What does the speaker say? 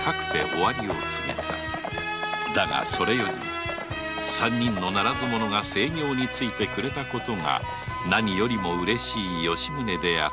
だがそれより三人のならず者が正業についてくれた事が何よりもうれしい吉宗であった